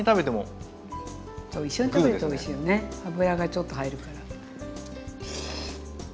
油がちょっと入るから。